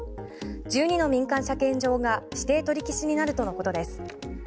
１２の民間車検場が指定取り消しになるとのことです。